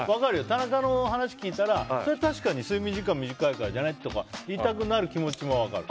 田中の言葉を聞いたら、確かに睡眠時間が短いからじゃない？とか言いたくなる気持ちも分かる。